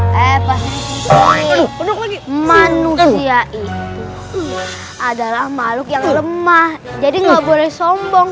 hai hai hai eh pak manusia itu adalah makhluk yang lemah jadi nggak boleh sombong